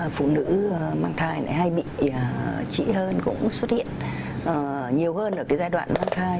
phụ nữ mang thai hay bị trĩ hơn cũng xuất hiện nhiều hơn ở giai đoạn mang thai